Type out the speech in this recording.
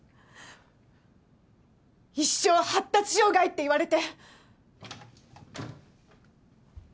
一生発達障害って言われて。